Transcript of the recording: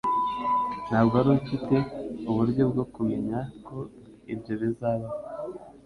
Ntabwo wari ufite uburyo bwo kumenya ko ibyo bizabaho.